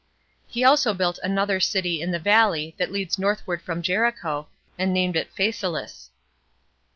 He also built another city in the valley that leads northward from Jericho, and named it Phasaelis.